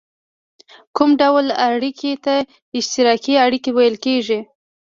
کوم ډول اړیکې ته اشتراکي اړیکه ویل کیږي؟